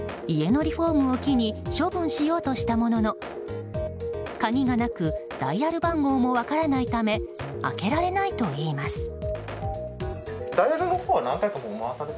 家のリフォームを機に処分しようとしたものの鍵がなくダイヤル番号も分からないため開けられないといいます。